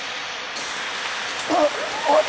あっおい